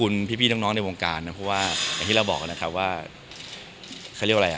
แล้วก็เขาเรียกว่าอะไรอ่ะ